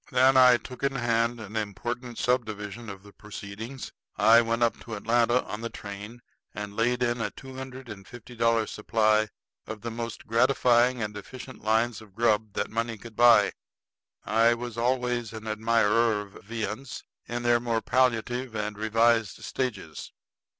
Then I took in hand an important subdivision of the proceedings. I went up to Atlanta on the train and laid in a two hundred and fifty dollar supply of the most gratifying and efficient lines of grub that money could buy. I always was an admirer of viands in their more palliative and revised stages.